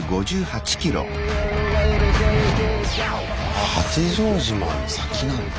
あ八丈島の先なんだ。